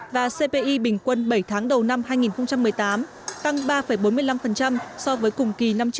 và cpi bình quân bảy tháng đầu năm hai nghìn một mươi tám tăng ba bốn mươi năm